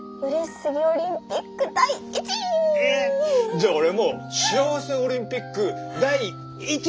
じゃ俺も幸せオリンピック第１位！ああ！